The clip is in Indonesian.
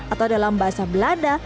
atau dalam bahasa belanda